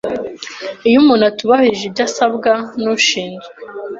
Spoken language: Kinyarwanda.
Iyo umuntu atubahirije ibyo asabwa n ushinzwe